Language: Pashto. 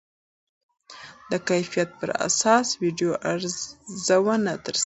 د کیفیت پر اساس ویډیو ارزونه ترسره کېږي.